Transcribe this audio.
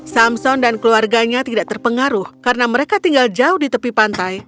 samson dan keluarganya tidak terpengaruh karena mereka tinggal jauh di tepi pantai